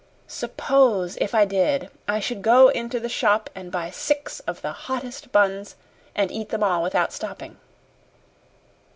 SUPPOSE if I did, I should go into the shop and buy six of the hottest buns and eat them all without stopping."